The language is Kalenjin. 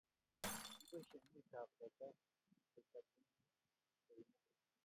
Kiboishen muitop teta ke chobune kweinik